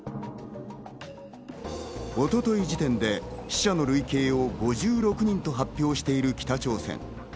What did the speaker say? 一昨日時点で死者の累計を５６人と発表している北朝鮮。